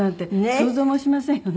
想像もしませんよね。